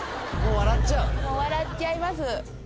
もう笑っちゃいます。